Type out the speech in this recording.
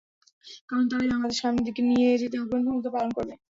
কারণ তারাই বাংলাদেশকে সামনের দিকে নিয়ে যেতে অগ্রণী ভূমিকা পালন করবে।